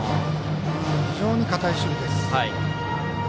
非常に堅い守備です。